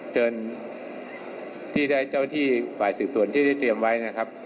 เชิญที่ได้เจ้าที่ฝ่ายสืบสวนที่ได้เตรียมไว้นะครับ